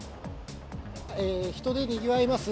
人でにぎわいます